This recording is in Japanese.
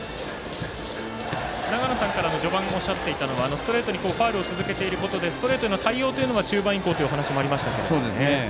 長野さんからの序盤おっしゃっていたのがストレートにファウルを続けていることでストレートへの対応というのが中盤以降というお話もありましたけども。